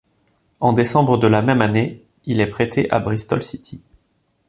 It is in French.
En décembre de la même année, il est prêté à Bristol City.